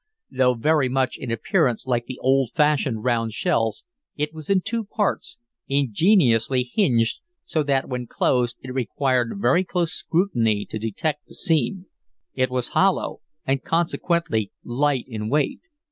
Though very much in appearance like the old fashioned round shells, it was in two parts, ingeniously hinged so that when closed it required very close scrutiny to detect the seam. It was hollow, and consequently light in weight.